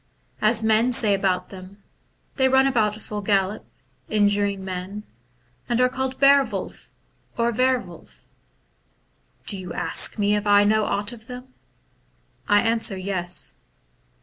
As men say about them, they run about full gallop, injuring men, and are called ber wolflf, or wer wolff. Do you ask me if I know aught about them ? I answer, Yes.